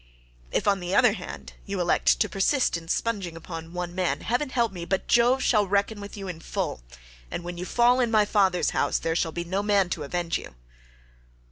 If, on the other hand, you elect to persist in spunging upon one man, heaven help me, but Jove shall reckon with you in full, and when you fall in my father's house there shall be no man to avenge you."